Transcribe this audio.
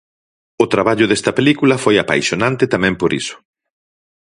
O traballo desta película foi apaixonante tamén por iso.